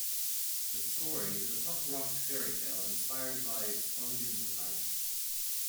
The story is a punk rock fairytale inspired by Spungen's life.